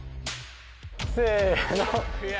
せの！